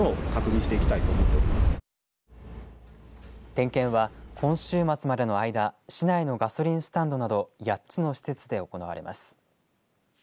点検は今週末までの間市内のガソリンスタンドなど８つの施設で行われます。